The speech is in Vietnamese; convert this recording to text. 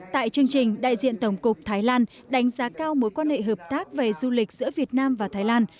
tại chương trình đại diện tổng cục thái lan đánh giá cao mối quan hệ hợp tác về du lịch giữa việt nam và thái lan